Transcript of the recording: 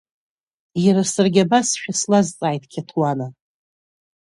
Иара саргьы абасшәа слазҵааит қьаҭуана.